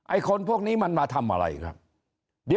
คนพวกนี้มันมาทำอะไรครับ